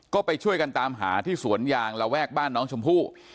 ก็ไปช่วยกันตามหาที่สวนยางระแวกบ้านน้องชมพู่